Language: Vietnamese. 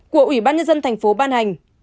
của ủy ban dân thành phố ban hành